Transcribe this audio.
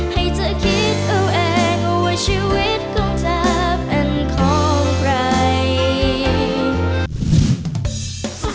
ให้เธอคิดเอาเองว่าชีวิตของเธอเป็นของใคร